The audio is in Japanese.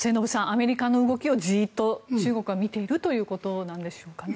アメリカの動きをじっと中国は見ているということなんでしょうかね。